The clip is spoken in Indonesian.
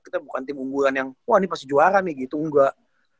kita bukan tim unggulan yang wah ini pasti juara nih gitu enggak